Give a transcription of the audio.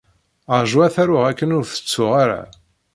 Rju ad t-aruɣ akken ur tettuɣ ara.